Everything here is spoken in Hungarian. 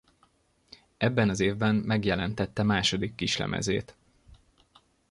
Ebben az évben megjelentette második kislemezét.